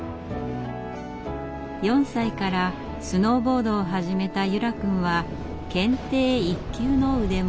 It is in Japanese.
４歳からスノーボードを始めた柚楽くんは検定１級の腕前。